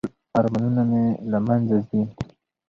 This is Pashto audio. چې ټول ارمانونه مې له منځه ځي .